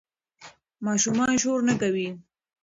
ماشومان شور نه کوي.